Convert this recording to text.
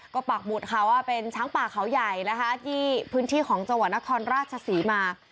ก็ปากหมุดค่ะว่าเป็นช้างป่าเขาใหญ่นะคะที่พื้นที่ของจังหวัดนครราชศรีมา